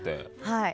はい。